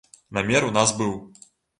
Намер у нас быў!